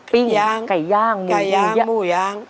ปิ้งไก่ย่างหมูย้าง